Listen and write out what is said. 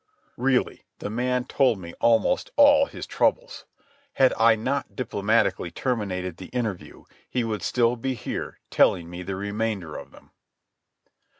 Really, the man told me almost all his troubles. Had I not diplomatically terminated the interview he would still be here telling me the remainder of them.